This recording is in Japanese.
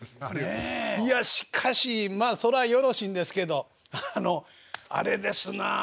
いやしかしまあそらよろしいんですけどあのあれですなあ。